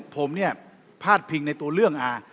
ผมพลาดพิงในตัวเรื่องอา